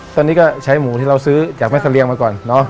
ตอนนี้ก็ใช้หมูที่เราซื้อจากแม่เสรียงมาก่อนเนอะ